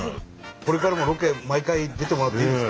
これからもロケ毎回出てもらっていいですか？